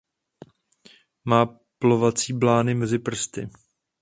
Má plovací blány mezi prsty.